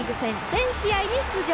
全試合に出場。